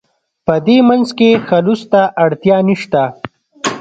په دې منځ کې خلوص ته اړتیا نشته.